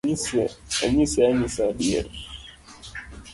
Anyise anyisa adier